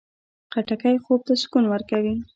خټکی خوب ته سکون ورکوي.